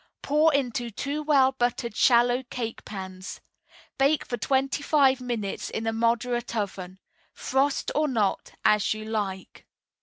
Pour into two well buttered shallow cake pans. Bake for twenty five minutes in a moderate oven. Frost or not, as you like.